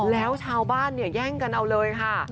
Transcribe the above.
แล้วชาวบ้านเนี่ยแย่งกันเอาเลยค่ะ